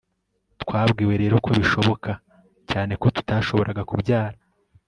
twabwiwe rero ko bishoboka cyane ko tutashoboraga kubyara